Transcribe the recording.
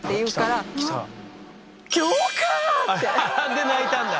で泣いたんだ。